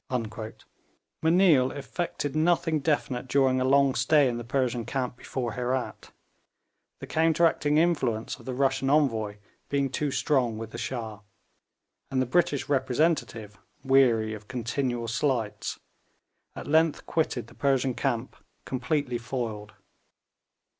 M'Neill effected nothing definite during a long stay in the Persian camp before Herat, the counteracting influence of the Russian envoy being too strong with the Shah; and the British representative, weary of continual slights, at length quitted the Persian camp completely foiled.